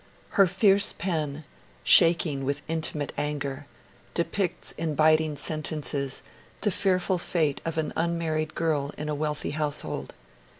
Her fierce pen, shaking with intimate anger, depicts in biting sentences the fearful fate of an unmarried girl in a wealthy household.